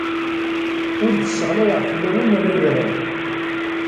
Ur d-sseɣlayeɣ fell-awen rrebrab.